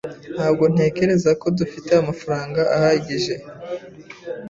Ntabwo ntekereza ko dufite amafaranga ahagije.